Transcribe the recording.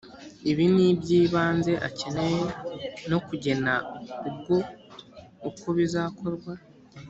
ibi ni iby ibanze akeneye no kugena ubwo uko bizakorwa